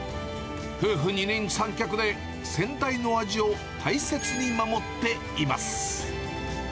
夫婦二人三脚で先代の味を大切に守っています。